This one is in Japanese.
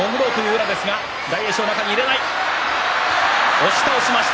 押し倒しました。